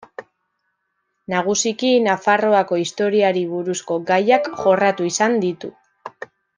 Nagusiki, Nafarroako historiari buruzko gaiak jorratu izan ditu.